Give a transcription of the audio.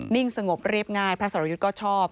สงบเรียบง่ายพระสรยุทธ์ก็ชอบ